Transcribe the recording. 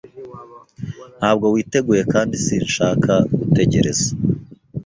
Ntabwo witeguye kandi sinshaka gutegereza.